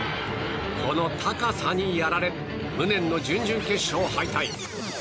この高さにやられ無念の準々決勝敗退。